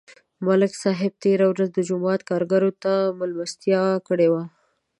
ملک صاحب تېره ورځ د جومات کارګرو ته مېلمستیا کړې وه